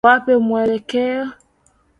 Wape mwelekeo.